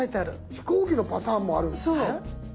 飛行機のパターンもあるんすね。